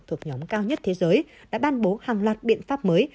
thuộc nhóm cao nhất thế giới đã ban bố hàng loạt biện pháp mới